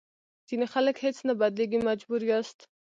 ځینې خلک هېڅ نه بدلېږي مجبور یاست.